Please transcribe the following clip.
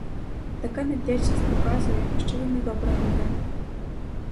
Така невдячність показує, що він недобра людина.